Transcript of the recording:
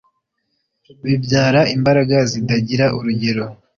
bibyara imbaraga zidagira urugero